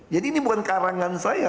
jadi ini bukan karangan saya